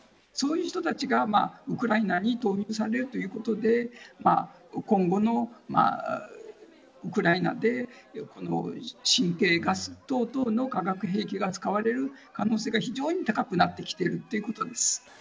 そういう人たちがウクライナに投入されるということで今後のウクライナで神経ガス等々の化学兵器が使われる可能性が非常に高くなってきているということです。